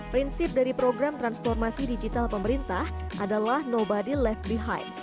prinsip dari program transformasi digital pemerintah adalah nobody left behind